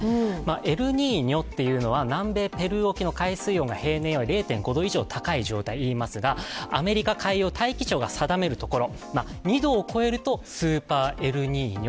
エルニーニョというのは南米ペルー沖の海水温が平年より０．５度高い状態をいうんですが定められているところ２度を超えるとスーパーエルニーニョ。